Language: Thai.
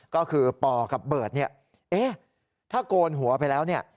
ก็คือปอกับเบิร์ตเนี่ยเอ๊ะถ้าโกนหัวไปแล้วเนี่ย